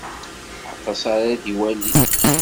Atas ara d-iwalin.